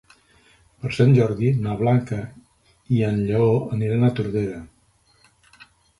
Per Sant Jordi na Blanca i en Lleó aniran a Tordera.